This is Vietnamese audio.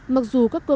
mặc dù các cơ quan